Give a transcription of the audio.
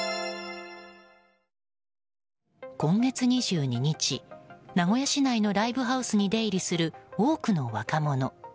今月２２日、名古屋市内のライブハウスに出入りする多くの若者。